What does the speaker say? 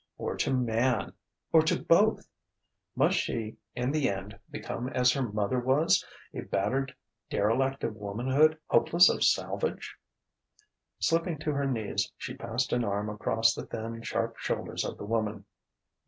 Or to Man? Or to both?... Must she in the end become as her mother was, a battered derelict of womanhood, hopeless of salvage? Slipping to her knees, she passed an arm across the thin, sharp shoulders of the woman.